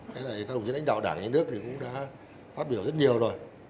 các đồng chí đánh đạo đảng nhà nước cũng đã phát biểu rất nhiều rồi